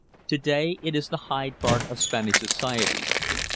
To day it is the Hyde Park of Spanish Society.